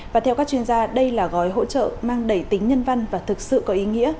và theo các chuyên gia đây là gói hỗ trợ mang đầy tính nhân văn và thực sự có ý nghĩa